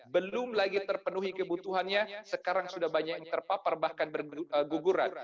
belum lagi terpenuhi kebutuhannya sekarang sudah banyak yang terpapar bahkan berguguran